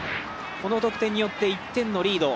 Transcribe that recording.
この得点によって１点のリード